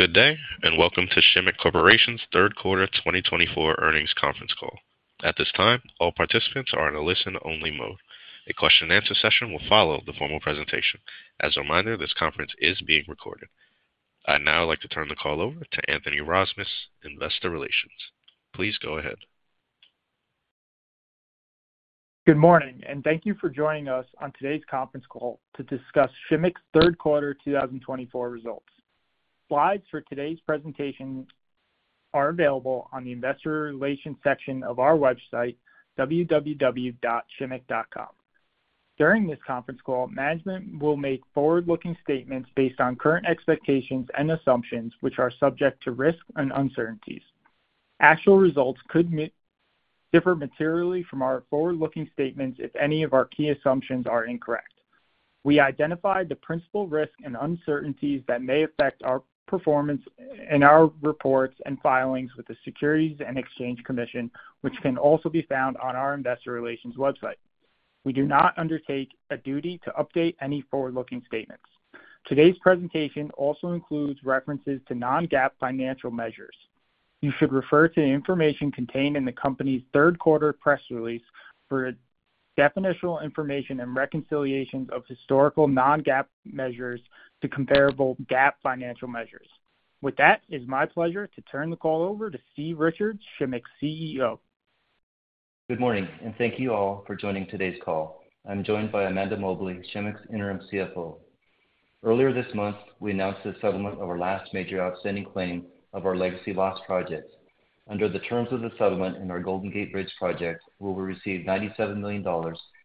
Good day, and welcome to Shimmick Corporation's Third Quarter 2024 earnings conference call. At this time, all participants are in a listen-only mode. A question-and-answer session will follow the formal presentation. As a reminder, this conference is being recorded. I'd now like to turn the call over to Anthony Rasmus, Investor Relations. Please go ahead. Good morning, and thank you for joining us on today's conference call to discuss Shimmick's Third Quarter 2024 results. Slides for today's presentation are available on the Investor Relations section of our website, www.shimmick.com. During this conference call, management will make forward-looking statements based on current expectations and assumptions, which are subject to risk and uncertainties. Actual results could differ materially from our forward-looking statements if any of our key assumptions are incorrect. We identify the principal risks and uncertainties that may affect our performance in our reports and filings with the Securities and Exchange Commission, which can also be found on our Investor Relations website. We do not undertake a duty to update any forward-looking statements. Today's presentation also includes references to non-GAAP financial measures. You should refer to the information contained in the company's Third Quarter Press Release for definitional information and reconciliations of historical non-GAAP measures to comparable GAAP financial measures. With that, it is my pleasure to turn the call over to Steve Richards, Shimmick's CEO. Good morning, and thank you all for joining today's call. I'm joined by Amanda Mobley, Shimmick's Interim CFO. Earlier this month, we announced the settlement of our last major outstanding claim of our legacy loss project. Under the terms of the settlement in our Golden Gate Bridge project, we will receive $97 million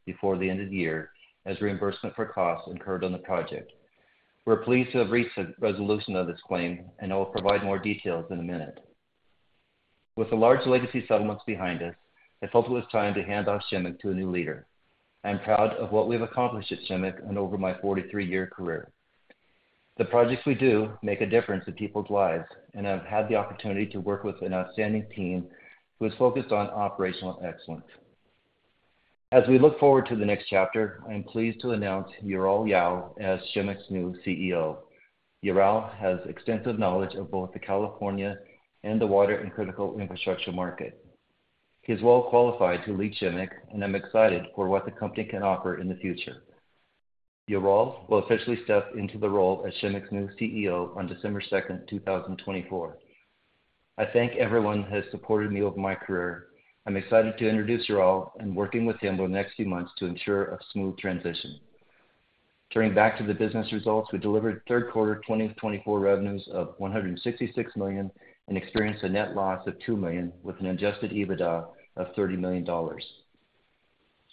before the end of the year as reimbursement for costs incurred on the project. We're pleased to have reached a resolution on this claim, and I will provide more details in a minute. With the large legacy settlements behind us, I felt it was time to hand off Shimmick to a new leader. I'm proud of what we've accomplished at Shimmick and over my 43-year career. The projects we do make a difference in people's lives, and I've had the opportunity to work with an outstanding team who is focused on operational excellence. As we look forward to the next chapter, I'm pleased to announce Ural Yal as Shimmick's new CEO. Ural has extensive knowledge of both the California and the water and critical infrastructure market. He's well qualified to lead Shimmick, and I'm excited for what the company can offer in the future. Ural will officially step into the role as Shimmick's new CEO on December 2, 2024. I thank everyone who has supported me over my career. I'm excited to introduce Ural and working with him over the next few months to ensure a smooth transition. Turning back to the business results, we delivered Third Quarter 2024 revenues of $166 million and experienced a net loss of $2 million with an adjusted EBITDA of $30 million.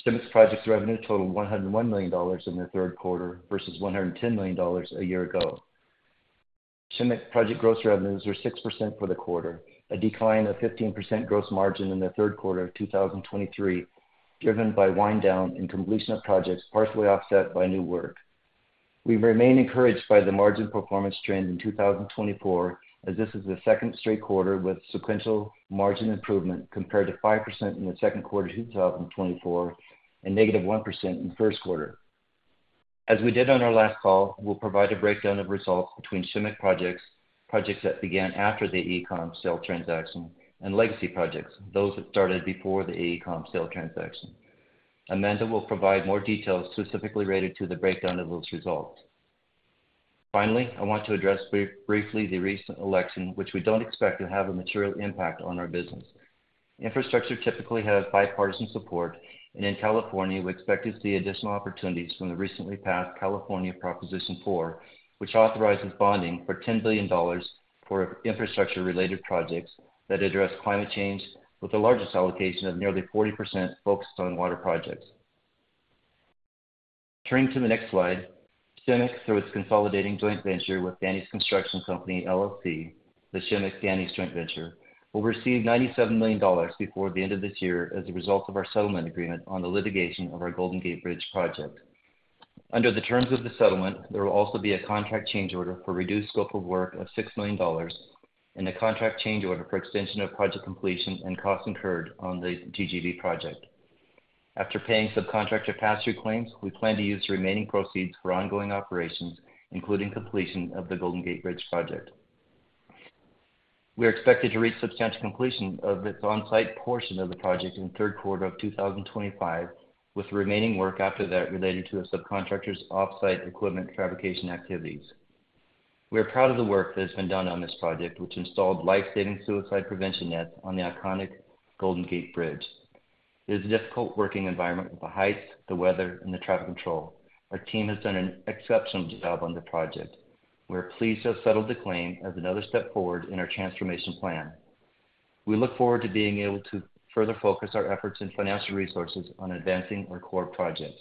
Shimmick's project revenue totaled $101 million in the Third Quarter versus $110 million a year ago. Shimmick's project gross margin was 6% for the quarter, a decline from 15% in the Third Quarter of 2023, driven by wind-down and completion of projects partially offset by new work. We remain encouraged by the margin performance trend in 2024, as this is the second straight quarter with sequential margin improvement compared to 5% in the Second Quarter 2024 and -1% in the First Quarter. As we did on our last call, we'll provide a breakdown of results between Shimmick projects, projects that began after the AECOM sale transaction, and legacy projects, those that started before the AECOM sale transaction. Amanda will provide more details specifically related to the breakdown of those results. Finally, I want to address briefly the recent election, which we don't expect to have a material impact on our business. Infrastructure typically has bipartisan support, and in California, we expect to see additional opportunities from the recently passed California Proposition 4, which authorizes bonding for $10 billion for infrastructure-related projects that address climate change, with the largest allocation of nearly 40% focused on water projects. Turning to the next slide, Shimmick, through its consolidating joint venture with Danny's Construction Company LLC, the Shimmick-Danny's Joint Venture, will receive $97 million before the end of this year as a result of our settlement agreement on the litigation of our Golden Gate Bridge project. Under the terms of the settlement, there will also be a contract change order for reduced scope of work of $6 million and a contract change order for extension of project completion and costs incurred on the GGB project. After paying subcontractor pass-through claims, we plan to use the remaining proceeds for ongoing operations, including completion of the Golden Gate Bridge project. We are expected to reach substantial completion of its on-site portion of the project in third quarter of 2025, with remaining work after that related to a subcontractor's off-site equipment fabrication activities. We are proud of the work that has been done on this project, which installed life-saving suicide prevention nets on the iconic Golden Gate Bridge. It is a difficult working environment with the heights, the weather, and the traffic control. Our team has done an exceptional job on the project. We are pleased to have settled the claim as another step forward in our transformation plan. We look forward to being able to further focus our efforts and financial resources on advancing our core projects.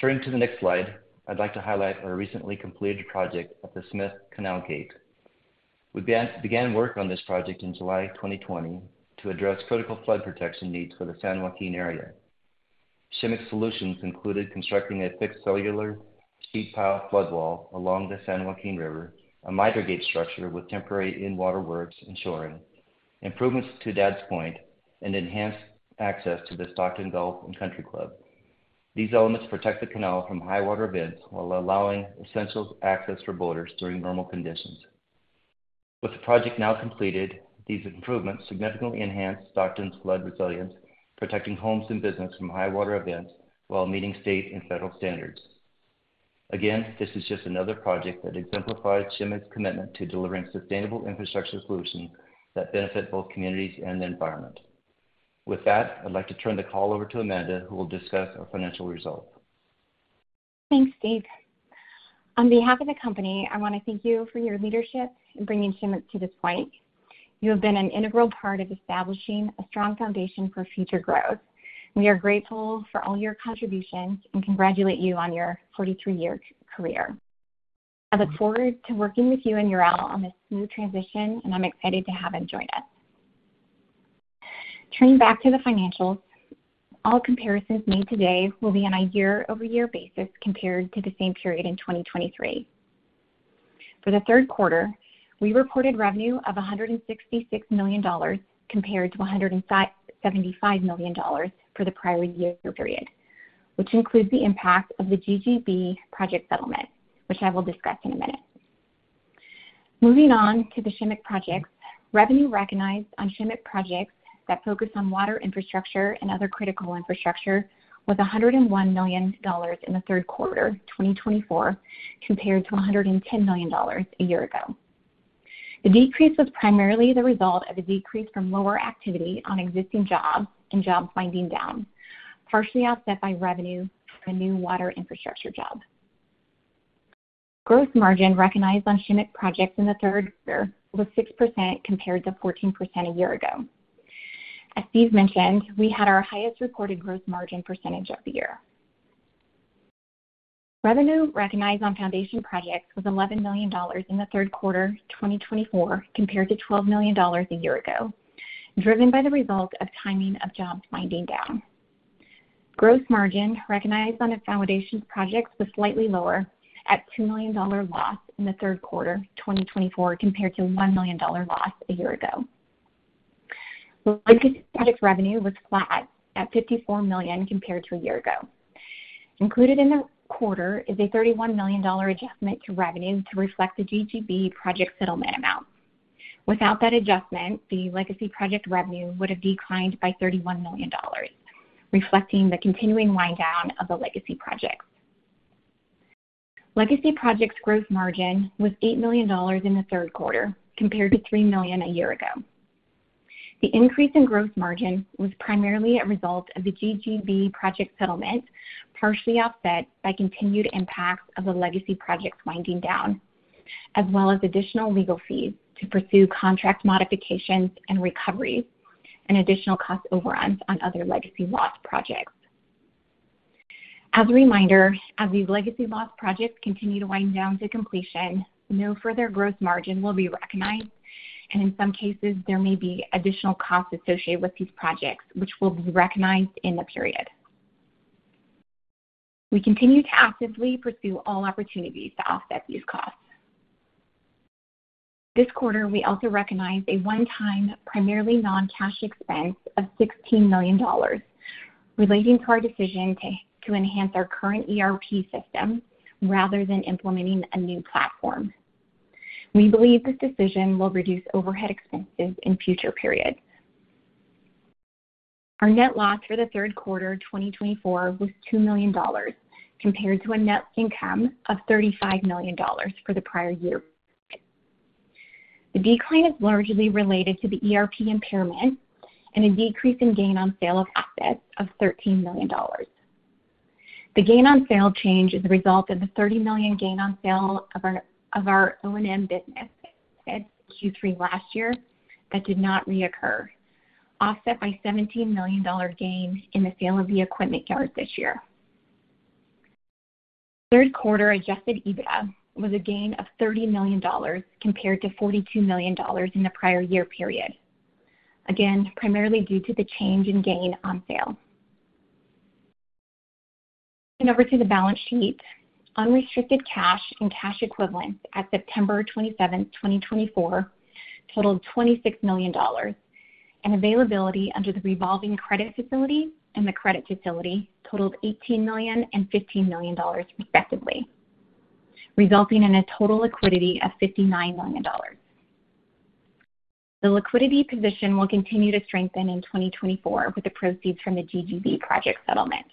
Turning to the next slide, I'd like to highlight our recently completed project at the Smith Canal Gate. We began work on this project in July 2020 to address critical flood protection needs for the San Joaquin area. Shimmick's solutions included constructing a fixed cellular sheet pile flood wall along the San Joaquin River, a miter gate structure with temporary in-water works ensuring improvements to Dad's Point, and enhanced access to the Stockton Golf and Country Club. These elements protect the canal from high-water events while allowing essential access for boaters during normal conditions. With the project now completed, these improvements significantly enhance Stockton's flood resilience, protecting homes and businesses from high-water events while meeting state and federal standards. Again, this is just another project that exemplifies Shimmick's commitment to delivering sustainable infrastructure solutions that benefit both communities and the environment. With that, I'd like to turn the call over to Amanda, who will discuss our financial results. Thanks, Steve. On behalf of the company, I want to thank you for your leadership in bringing Shimmick to this point. You have been an integral part of establishing a strong foundation for future growth. We are grateful for all your contributions and congratulate you on your 43-year career. I look forward to working with you and Ural on this new transition, and I'm excited to have him join us. Turning back to the financials, all comparisons made today will be on a year-over-year basis compared to the same period in 2023. For the third quarter, we reported revenue of $166 million compared to $175 million for the prior year period, which includes the impact of the GGB project settlement, which I will discuss in a minute. Moving on to the Shimmick projects, revenue recognized on Shimmick projects that focus on water infrastructure and other critical infrastructure was $101 million in the third quarter 2024 compared to $110 million a year ago. The decrease was primarily the result of a decrease from lower activity on existing jobs and jobs winding down, partially offset by revenue from a new water infrastructure job. Gross margin recognized on Shimmick projects in the third quarter was 6% compared to 14% a year ago. As Steve mentioned, we had our highest reported gross margin percentage of the year. Revenue recognized on foundation projects was $11 million in the third quarter 2024 compared to $12 million a year ago, driven by the result of timing of jobs winding down. Gross margin recognized on the foundation projects was slightly lower at $2 million loss in the Third Quarter 2024 compared to $1 million loss a year ago. Legacy project revenue was flat at $54 million compared to a year ago. Included in the quarter is a $31 million adjustment to revenue to reflect the GGB project settlement amount. Without that adjustment, the legacy project revenue would have declined by $31 million, reflecting the continuing wind-down of the legacy projects. Legacy projects' gross margin was $8 million in the Third Quarter compared to $3 million a year ago. The increase in gross margin was primarily a result of the GGB project settlement, partially offset by continued impacts of the legacy projects winding down, as well as additional legal fees to pursue contract modifications and recoveries and additional cost overruns on other legacy loss projects. As a reminder, as these legacy loss projects continue to wind down to completion, no further gross margin will be recognized, and in some cases, there may be additional costs associated with these projects, which will be recognized in the period. We continue to actively pursue all opportunities to offset these costs. This quarter, we also recognize a one-time, primarily non-cash expense of $16 million relating to our decision to enhance our current ERP system rather than implementing a new platform. We believe this decision will reduce overhead expenses in future periods. Our net loss for the Third Quarter 2024 was $2 million compared to a net income of $35 million for the prior year. The decline is largely related to the ERP impairment and a decrease in gain on sale of assets of $13 million. The gain on sale change is a result of the $30 million gain on sale of our O&M business at Q3 last year that did not reoccur, offset by $17 million gain in the sale of the equipment yard this year. Third Quarter Adjusted EBITDA was a gain of $30 million compared to $42 million in the prior year period, again, primarily due to the change in gain on sale. Turning over to the balance sheet, unrestricted cash and cash equivalents at September 27, 2024, totaled $26 million, and availability under the revolving credit facility and the credit facility totaled $18 million and $15 million, respectively, resulting in a total liquidity of $59 million. The liquidity position will continue to strengthen in 2024 with the proceeds from the GGB project settlement.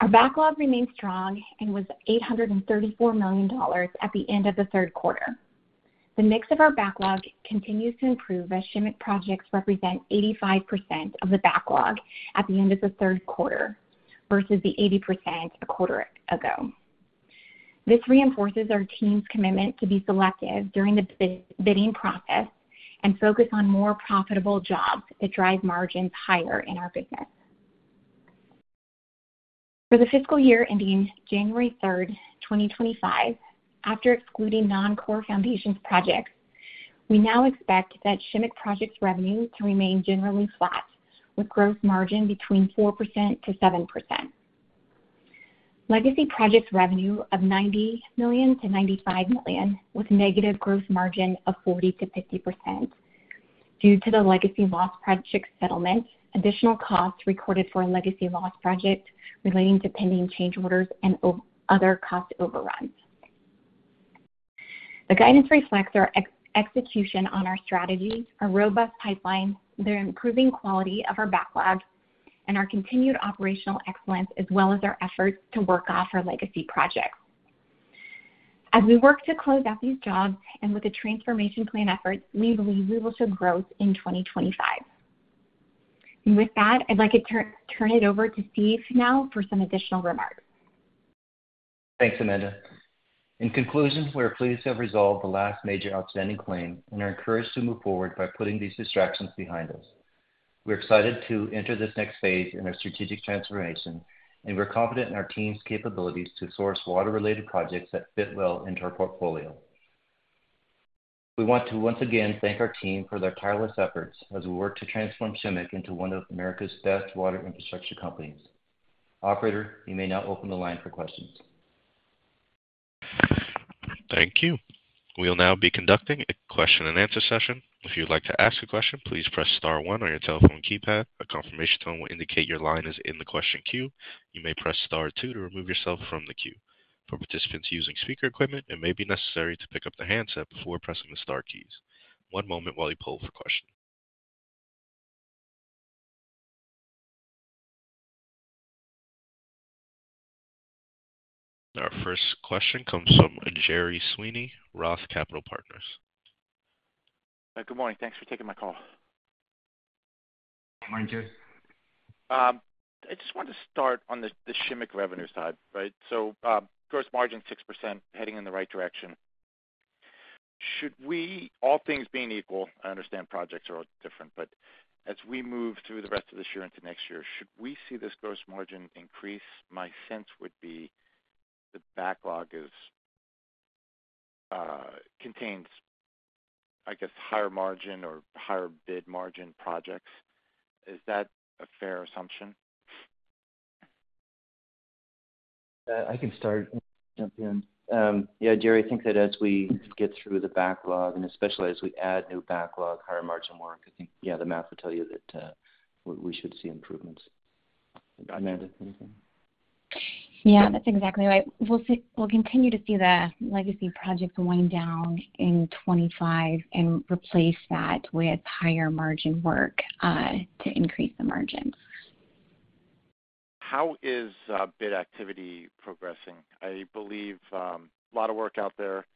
Our backlog remains strong and was $834 million at the end of the Third Quarter. The mix of our backlog continues to improve as Shimmick projects represent 85% of the backlog at the end of the third quarter versus the 80% a quarter ago. This reinforces our team's commitment to be selective during the bidding process and focus on more profitable jobs that drive margins higher in our business. For the fiscal year ending January 3, 2025, after excluding non-core foundations projects, we now expect that Shimmick projects' revenue to remain generally flat, with gross margin between 4%-7%. Legacy projects' revenue of $90 million-$95 million with negative gross margin of 40%-50% due to the legacy loss project settlement, additional costs recorded for a legacy loss project relating to pending change orders and other cost overruns. The guidance reflects our execution on our strategies, our robust pipeline, the improving quality of our Backlog, and our continued operational excellence, as well as our efforts to work off our Legacy Projects. As we work to close out these jobs and with the transformation plan efforts, we believe we will show growth in 2025. And with that, I'd like to turn it over to Steve now for some additional remarks. Thanks, Amanda. In conclusion, we're pleased to have resolved the last major outstanding claim and are encouraged to move forward by putting these distractions behind us. We're excited to enter this next phase in our strategic transformation, and we're confident in our team's capabilities to source water-related projects that fit well into our portfolio. We want to once again thank our team for their tireless efforts as we work to transform Shimmick into one of America's best water infrastructure companies. Operator, you may now open the line for questions. Thank you. We'll now be conducting a question-and-answer session. If you'd like to ask a question, please press star one on your telephone keypad. A confirmation tone will indicate your line is in the question queue. You may press star two to remove yourself from the queue. For participants using speaker equipment, it may be necessary to pick up the handset before pressing the star keys. One moment while we poll for questions. Our first question comes from Gerry Sweeney, Roth Capital Partners. Good morning. Thanks for taking my call. Good morning, Gerry. I just want to start on the Shimmick revenue side, right? So gross margin 6%, heading in the right direction. Should we, all things being equal, I understand projects are all different, but as we move through the rest of this year into next year, should we see this gross margin increase? My sense would be the backlog contains higher margin or higher bid margin projects. Is that a fair assumption? I can start. Jump in. Yeah, Gerry, I think that as we get through the backlog, and especially as we add new backlog, higher margin work, I think, yeah, the math will tell you that we should see improvements. Amanda, anything? Yeah, that's exactly right. We'll continue to see the Legacy Projects wind down in 2025 and replace that with higher margin work to increase the margins. How is bid activity progressing? I believe a lot of work out there,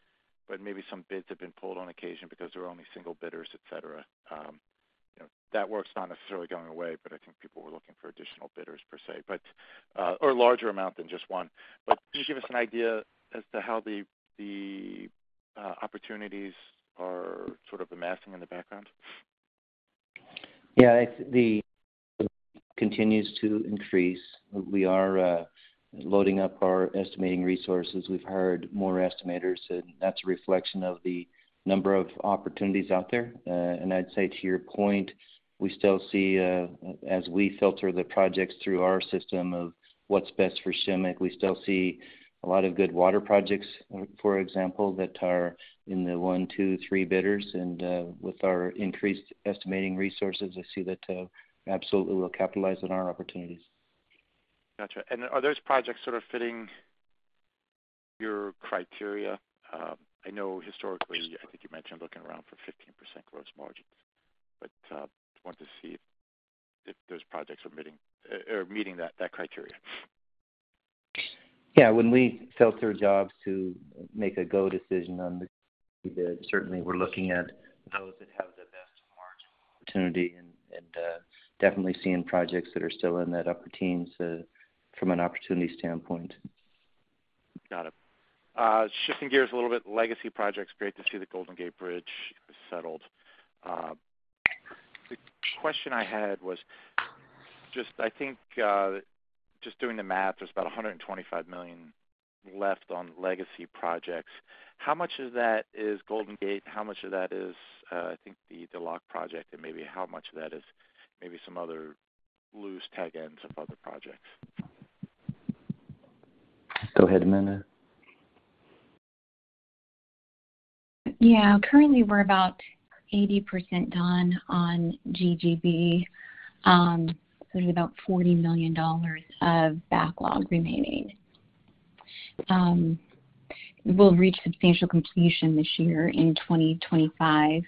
but maybe some bids have been pulled on occasion because there were only single bidders, etc. That work's not necessarily going away, but I think people were looking for additional bidders per se, or a larger amount than just one. But can you give us an idea as to how the opportunities are sort of amassing in the background? Yeah, the pipeline continues to increase. We are loading up our estimating resources. We've hired more estimators, and that's a reflection of the number of opportunities out there. I'd say, to your point, we still see, as we filter the projects through our system of what's best for Shimmick, we still see a lot of good water projects, for example, that are in the one, two, three bidders. With our increased estimating resources, I see that absolutely we'll capitalize on our opportunities. Gotcha. And are those projects sort of fitting your criteria? I know historically, I think you mentioned looking around for 15% gross margins, but I want to see if those projects are meeting that criteria. Yeah, when we filter jobs to make a go decision on the bid, certainly we're looking at those that have the best margin opportunity and definitely seeing projects that are still in that upper teens from an opportunity standpoint. Got it. Shifting gears a little bit, legacy projects, great to see the Golden Gate Bridge settled. The question I had was just, I think just doing the math, there's about $125 million left on legacy projects. How much of that is Golden Gate? How much of that is, I think, the Lock project? And maybe how much of that is maybe some other loose ends of other projects? Go ahead, Amanda. Yeah, currently we're about 80% done on GGB, so there's about $40 million of backlog remaining. We'll reach substantial completion this year in 2025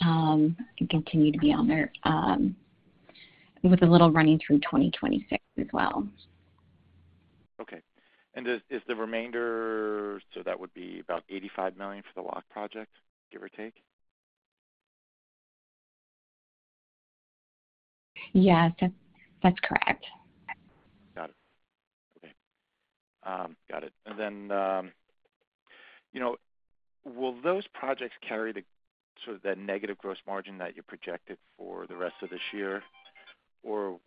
and continue to be on there with a little running through 2026 as well. Okay. And is the remainder, so that would be about $85 million for the Lock project, give or take? Yes, that's correct. Got it. Okay. Got it. And then will those projects carry sort of that negative gross margin that you projected for the rest of this year, or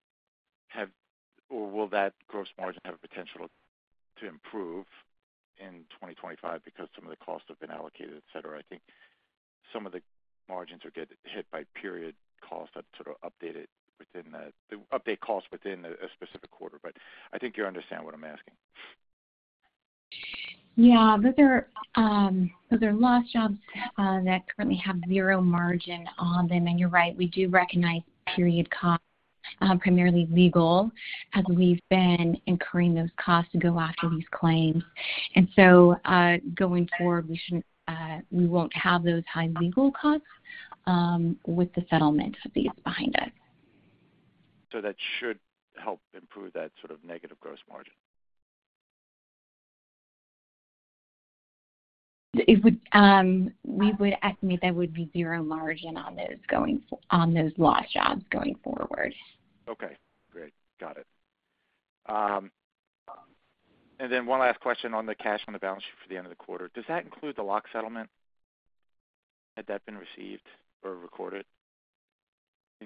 will that gross margin have a potential to improve in 2025 because some of the costs have been allocated, etc.? I think some of the margins are hit by period cost that sort of update cost within a specific quarter, but I think you understand what I'm asking. Yeah, those are lost jobs that currently have zero margin on them. And you're right, we do recognize period costs, primarily legal, as we've been incurring those costs to go after these claims. And so going forward, we won't have those high legal costs with the settlement of these behind us. So that should help improve that sort of negative gross margin. We would estimate there would be zero margin on those lost jobs going forward. Okay. Great. Got it. And then one last question on the cash on the balance sheet for the end of the quarter. Does that include the Lock settlement? Had that been received or recorded?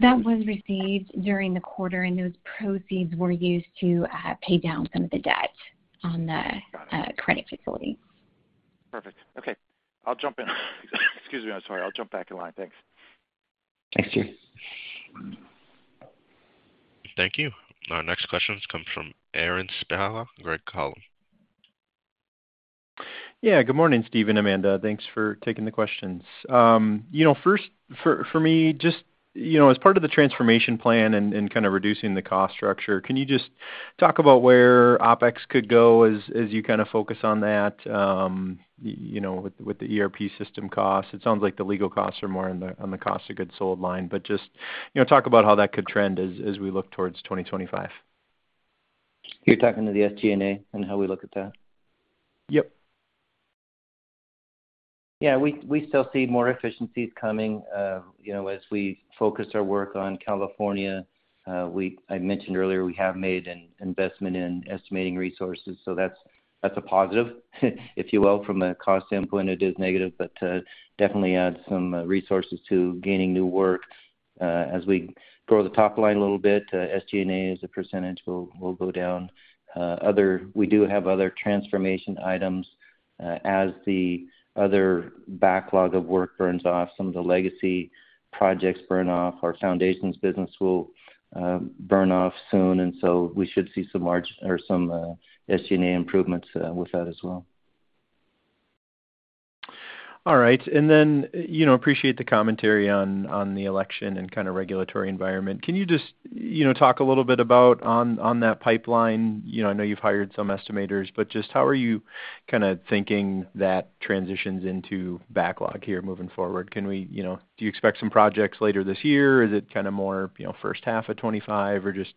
That was received during the quarter, and those proceeds were used to pay down some of the debt on the credit facility. Perfect. Okay. I'll jump in. Excuse me. I'm sorry. I'll jump back in line. Thanks. Thanks, Gerry. Thank you. Our next question has come from Aaron Spychalla, Craig-Hallum. Yeah, good morning, Steve, Amanda. Thanks for taking the questions. First, for me, just as part of the transformation plan and kind of reducing the cost structure, can you just talk about where OpEx could go as you kind of focus on that with the ERP system costs? It sounds like the legal costs are more on the cost of goods sold line, but just talk about how that could trend as we look towards 2025. You're talking to the SG&A and how we look at that? Yep. Yeah, we still see more efficiencies coming as we focus our work on California. I mentioned earlier we have made an investment in estimating resources, so that's a positive, if you will. From a cost standpoint, it is negative, but definitely adds some resources to gaining new work as we grow the top line a little bit. SG&A as a percentage will go down. We do have other transformation items. As the other backlog of work burns off, some of the legacy projects burn off. Our foundations business will burn off soon, and so we should see some SG&A improvements with that as well. All right, and then appreciate the commentary on the election and kind of regulatory environment. Can you just talk a little bit about on that pipeline? I know you've hired some estimators, but just how are you kind of thinking that transitions into backlog here moving forward? Do you expect some projects later this year? Is it kind of more first half of 2025? Or just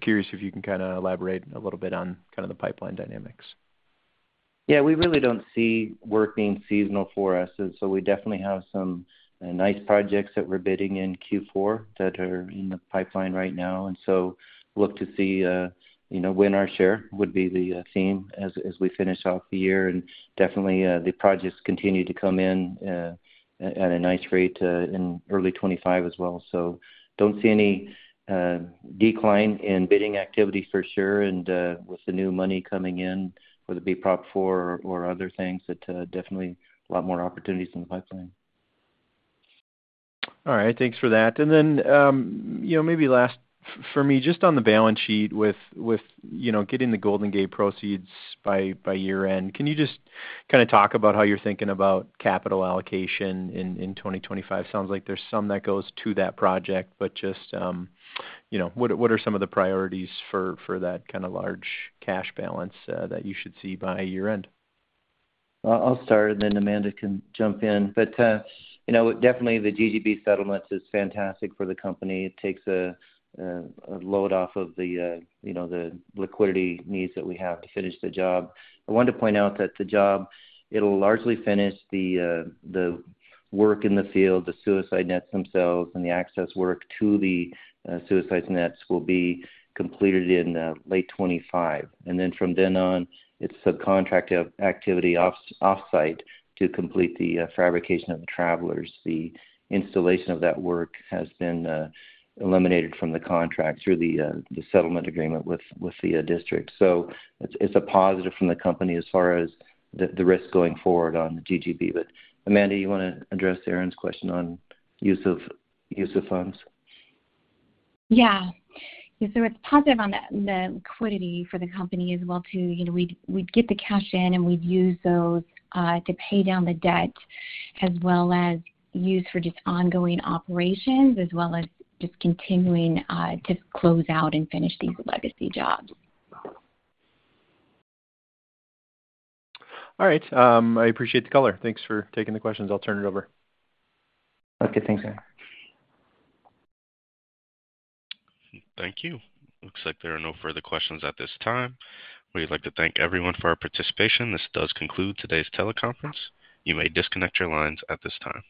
curious if you can kind of elaborate a little bit on kind of the pipeline dynamics? Yeah, we really don't see work being seasonal for us, and so we definitely have some nice projects that we're bidding in Q4 that are in the pipeline right now, and so look to see when our share would be the theme as we finish off the year, and definitely, the projects continue to come in at a nice rate in early 2025 as well, so don't see any decline in bidding activity for sure, and with the new money coming in for the Prop 4 or other things, definitely a lot more opportunities in the pipeline. All right. Thanks for that. And then maybe last for me, just on the balance sheet with getting the Golden Gate proceeds by year-end, can you just kind of talk about how you're thinking about capital allocation in 2025? Sounds like there's some that goes to that project, but just what are some of the priorities for that kind of large cash balance that you should see by year-end? I'll start, and then Amanda can jump in, but definitely, the GGB settlement is fantastic for the company. It takes a load off of the liquidity needs that we have to finish the job. I want to point out that the job, it'll largely finish the work in the field, the suicide nets themselves, and the access work to the suicide nets will be completed in late 2025. And then from then on, it's subcontract activity off-site to complete the fabrication of the travelers. The installation of that work has been eliminated from the contract through the settlement agreement with the district. So it's a positive from the company as far as the risk going forward on the GGB. But Amanda, you want to address Aaron's question on use of funds? Yeah. So it's positive on the liquidity for the company as well too. We'd get the cash in, and we'd use those to pay down the debt as well as use for just ongoing operations as well as just continuing to close out and finish these legacy jobs. All right. I appreciate the color. Thanks for taking the questions. I'll turn it over. Okay. Thanks, Aaron. Thank you. Looks like there are no further questions at this time. We'd like to thank everyone for our participation. This does conclude today's teleconference. You may disconnect your lines at this time.